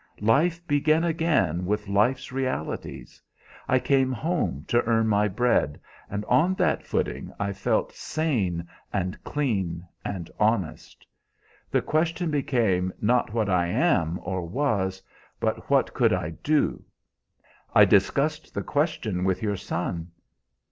Life began again with life's realities. I came home to earn my bread, and on that footing I felt sane and clean and honest. The question became not what I am or was, but what could I do? I discussed the question with your son."